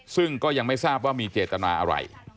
ซึ่งก็ยังไม่ทราบว่ามีเจตนาอะไร